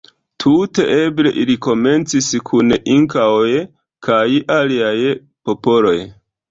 Tute eble ili komercis kun Inkaoj kaj aliaj popoloj.